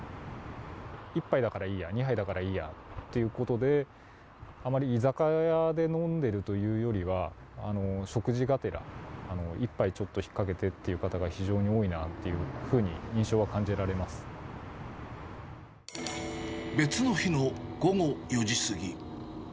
１杯だからいいや、２杯だからいいやっていうことで、あまり居酒屋で飲んでるというよりは、食事がてら、１杯、ちょっと引っ掛けてっていう方が非常に多いなっていうふうに、別の日の午後４時過ぎ。